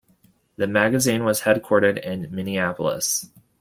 The magazine was headquartered in Minneapolis.